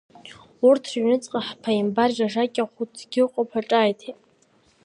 Урҭ рыҩныҵҟа ҳаԥааимбар ижакьа хәыцгьы ыҟоуп ҳәа ҿааиҭит.